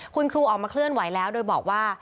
คุณครูออกมาเคลื่อนไหวแล้วโดยบอกว่า